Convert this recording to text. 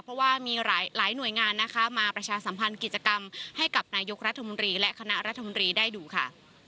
เพราะว่ามีหลายหน่วยงานนะคะมาประชาสัมพันธ์กิจกรรมให้กับนายกรัฐมนตรีและคณะรัฐมนตรีได้ดูค่ะ